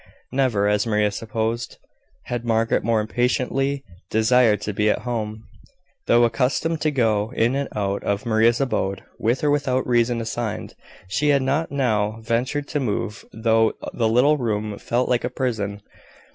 Never, as Maria supposed, had Margaret more impatiently desired to be at home. Though accustomed to go in and out of Maria's abode, with or without reason assigned, she had not now ventured to move, though the little room felt like a prison.